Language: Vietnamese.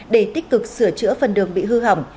để tích cực sửa chữa phần đường bị hư hỏng